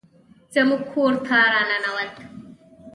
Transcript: زموږ کور ته راننوت